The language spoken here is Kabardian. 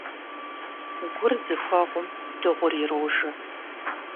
Гур зыхуэгъум дыгъур ирожэ.